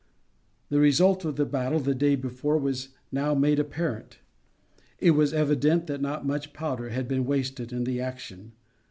The result of the battle the day before was now made apparent. It was evident that not much powder had been wasted in the action.